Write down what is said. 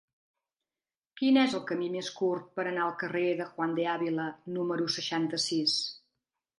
Quin és el camí més curt per anar al carrer de Juan de Ávila número seixanta-sis?